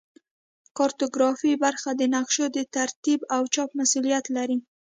کارتوګرافي برخه د نقشو د ترتیب او چاپ مسوولیت لري